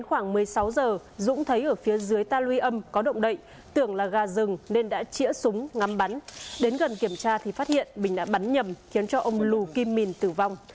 khi đến gần kiểm tra thì phát hiện bình đã bắn nhầm khiến cho ông lù kim mìn tử vong